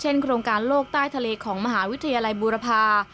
โครงการโลกใต้ทะเลของมหาวิทยาลัยบูรพา